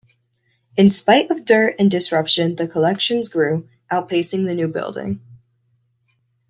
In spite of dirt and disruption the collections grew, outpacing the new building.